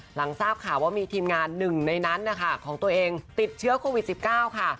หลังทราบข่าวว่ามีทีมงานหนึ่งในนั้นนะคะของตัวเองติดเชื้อโควิด๑๙ค่ะ